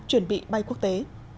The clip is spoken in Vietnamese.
chuẩn bị bay quốc tế